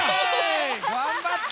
がんばった！